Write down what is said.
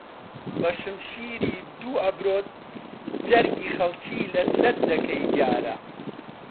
بەشمشیری دوو ئەبرۆت جەرگی خەڵکی لەت دەکەی دیارە